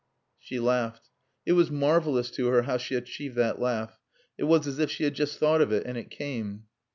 She laughed. It was marvelous to her how she achieved that laugh. It was as if she had just thought of it and it came.